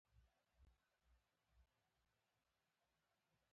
په هر حالت کې د قوې جهت د ځمکې د مرکز خواته دی.